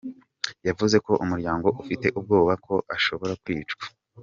Yavuze ko umuryango ufite ubwoba ko ashobora kwicwa.